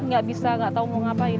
gak bisa gak tau mau ngapain